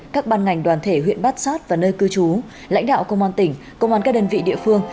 các ban ngành đoàn thể huyện bát sát và nơi cư trú lãnh đạo công an tỉnh công an các đơn vị địa phương